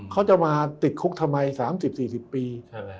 เขาจะมาติดคุกทำไม๓๐๔๐ปี